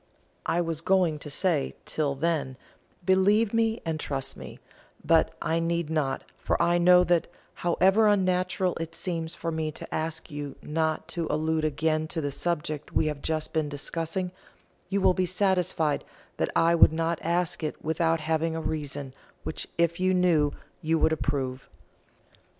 I was going to say, Till then, believe me and trust me; but I need not, for I know that, however unnatural it seems for me to ask you not to allude again to the subject we have just been discussing, you will be satisfied that I would not ask it without having a reason which if you knew you would approve.